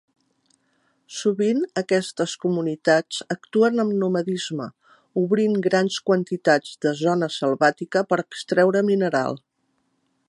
Sovint aquestes comunitats actuen amb nomadisme, obrint grans quantitats de zona selvàtica per extreure mineral.